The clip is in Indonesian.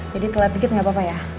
jadi telat dikit nggak apa apa ya